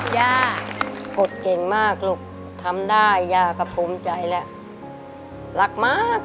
ยากฎเก่งมากลุงทำได้ยาก็ปรุ้มใจแล้วรักมาก